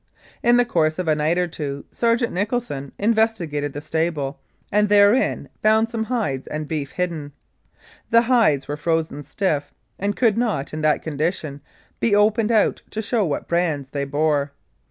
In the course of a night or two, Sergeant Nicholson investigated the stable, and therein found some hides and beef hidden. The hides were frozen stiff, and could not, in that condition, be opened out to show what brands they bore.